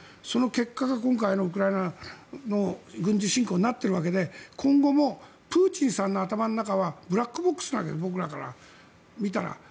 その結果が今回のウクライナの軍事侵攻になっているわけで今後もプーチンさんの頭の中はブラックボックスなわけ僕らから見たら。